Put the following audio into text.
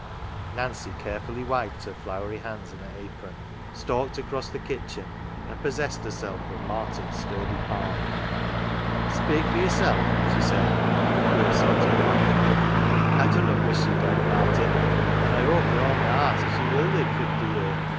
Nancy carefully wiped her floury hands in her apron, stalked across the kitchen, and possessed herself of Martin's sturdy palm. 99 NANCY " Speak for yoursel'," she said, with a queer sort of laugh ;" I dunnot wish ye dead, Martin, an 1 I hope wi' all my heart as ye will live fifty year.